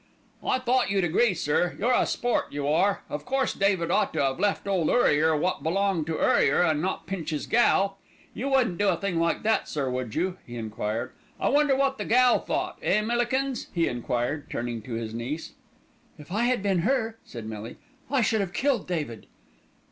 "I thought you'd agree, sir; you're a sport, you are. Of course David ought to 'ave left to Urrier wot belonged to Urrier, and not pinch 'is gal. You wouldn't do a thing like that, sir, would you?" he enquired. "I wonder wot the gal thought, eh, Millikins?" he enquired, turning to his niece. "If I had been her," said Millie, "I should have killed David."